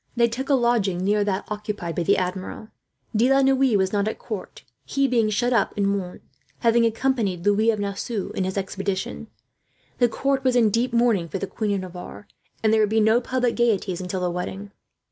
They took a lodging near that occupied by the Admiral. De la Noue was not at court, he being shut up in Mons, having accompanied Louis of Nassau in his expedition. The court was in deep mourning for the Queen of Navarre, and there would be no public gaieties until the wedding.